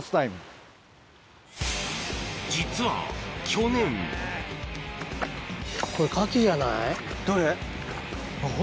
実は去年どれ？